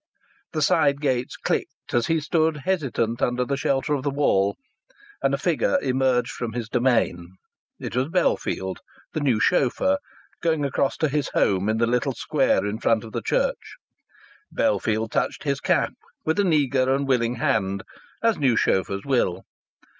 The side gates clicked as he stood hesitant under the shelter of the wall, and a figure emerged from his domain. It was Bellfield, the new chauffeur, going across to his home in the little square in front of the church. Bellfield touched his cap with an eager and willing hand, as new chauffeurs will.